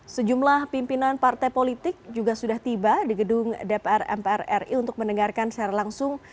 sejumlah pimpinan partai politik juga sudah tiba di gedung dpr mpr ri untuk mendengarkan secara langsung